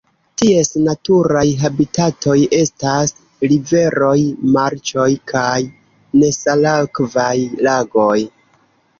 Ties naturaj habitatoj estas riveroj, marĉoj kaj nesalakvaj lagoj.